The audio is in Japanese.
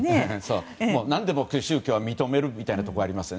何でも宗教は認めるみたいなところありますよね。